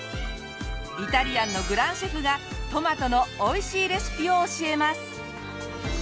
イタリアンのグランシェフがトマトのおいしいレシピを教えます！